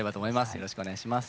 よろしくお願いします。